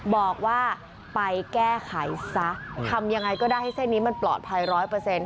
บอกว่าไปแก้ไขซะทำยังไงก็ได้ให้เส้นนี้มันปลอดภัยร้อยเปอร์เซ็นต